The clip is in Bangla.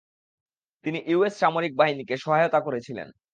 তিনি ইউএস সামরিক বাহিনীকে সহায়তা করেছিলেন।